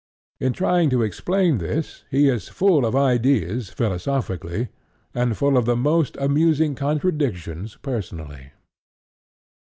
In trying to explain this, he is full of ideas philosophically, and full of the most amusing contradictions personally.